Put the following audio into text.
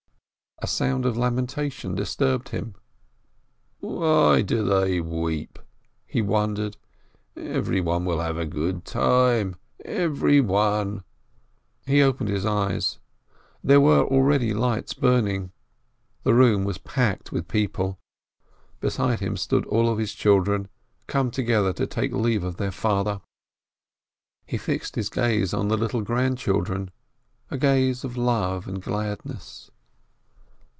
A sound of lamentation disturbed him. "Why do they weep?" he wondered. "Every one will have a good time — everyone !" He opened his eyes ; there were already lights burning. The room was packed with people. Beside him stood all his children, come together to take leave of their father. He fixed his gaze on the little grandchildren, a gaze of love and gladness.